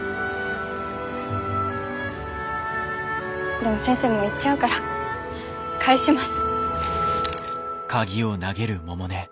でも先生もう行っちゃうから返します。